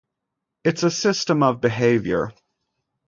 It's a system of behavior.